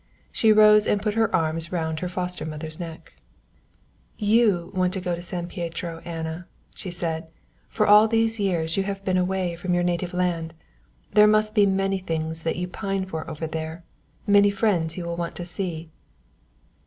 She rose and put her arms round her foster mother's neck. "You want to go to San Pietro, Anna," she said, "for all these years you have been away from your native land. There must be many things that you pine for over there, many friends you will want to see."